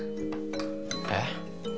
えっ？